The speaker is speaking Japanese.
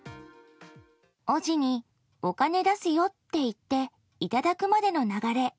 おぢにお金出すよと言って頂くまでの流れ。